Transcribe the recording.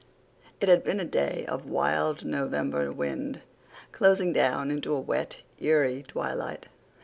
It had been a day of wild November wind, closing down into a wet, eerie twilight.